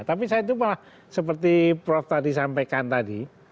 tapi saya itu malah seperti prof tadi sampaikan tadi